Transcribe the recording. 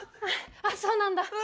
あっそうなんだ。